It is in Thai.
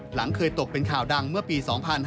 หลังเคยตกเป็นข่าวดังเมื่อปี๒๕๕๙